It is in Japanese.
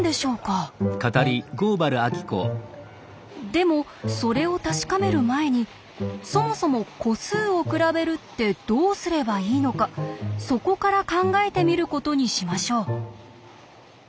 でもそれを確かめる前にそもそも個数を比べるってどうすればいいのかそこから考えてみることにしましょう。